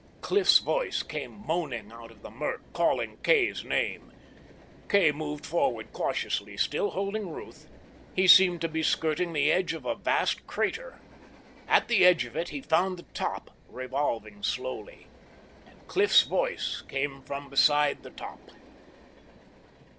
Cliff's voice came moaning out of the murk, calling Kay's name. Kay moved forward cautiously, still holding Ruth. He seemed to be skirting the edge of a vast crater. At the edge of it he found the top, revolving slowly. And Cliff's voice came from beside the top.